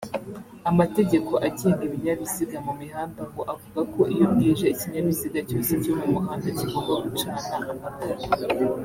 Amategeko agenga ibinyabiziga mu mihanda ngo avuga ko iyo bwije ikinyabiziga cyose cyo mu muhanda kigomba gucana amatara